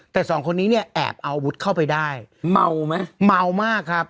แต่สองคนนี้เนี่ยแอบเอาอาวุธเข้าไปได้เมาไหมเมามากครับ